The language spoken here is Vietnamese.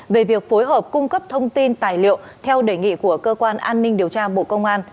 về việc phối hợp cung cấp thông tin tài liệu theo đề nghị của cơ quan an ninh điều tra bộ công an